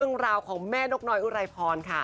เรื่องราวของแม่นกน้อยอุไรพรค่ะ